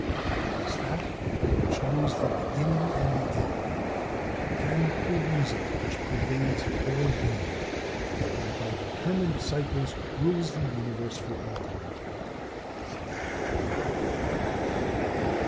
It is that which knows the beginning and the end, and the reason which pervades all being, and by determined cycles rules the Universe for all time.